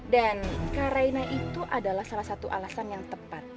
dan kak raina itu adalah salah satu alasan yang bisa kakak lakukan